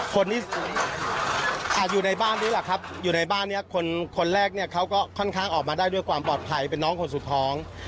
คนที่อยู่ในบ้านนี้แหละครับอยู่ในบ้านนี้คนแรกเนี่ยเขาก็ค่อนข้างออกมาได้ด้วยความปลอดภัยเป็นน้องคนสุดท้อง